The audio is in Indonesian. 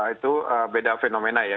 itu beda fenomena ya